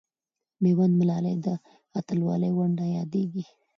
د میوند ملالۍ د اتلولۍ ونډه یادېږي.